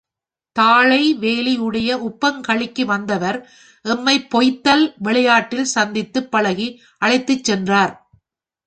தாழை வேலி உடைய உப்பங்கழிக்கு வந்தவர் எம்மைப் பொய்தல் விளையாட்டில் சந்தித்துப் பழகி அழைத்துச் சென்றார்.